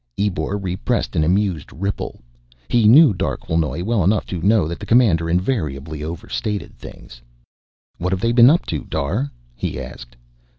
Ebor repressed an amused ripple. He knew Darquelnoy well enough to know that the commander invariably overstated things. "What've they been up to, Dar?" he asked.